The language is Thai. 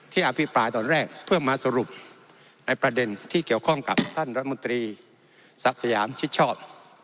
อภิปรายตอนแรกเพื่อมาสรุปในประเด็นที่เกี่ยวข้องกับท่านรัฐมนตรีศักดิ์สยามชิดชอบ